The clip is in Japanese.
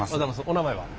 お名前は？